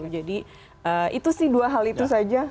jadi itu sih dua hal itu saja